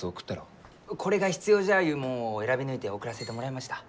これが必要じゃゆうもんを選び抜いて送らせてもらいました。